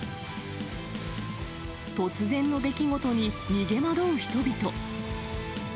突然の出来事に、逃げ惑う人々。